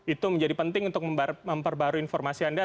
itu menjadi penting untuk memperbarui informasi anda